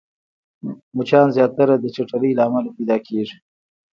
مچان زياتره د چټلۍ له امله پيدا کېږي